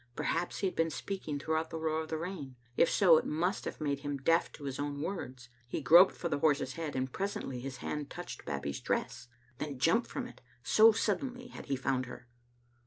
Perhaps he had been speaking throughout the roar of the rain. If so, it must have made him deaf to his own words. He groped for the horse's head, and presently his hand touched Bab bie's dress, then jumped from it, so suddenly had he found her.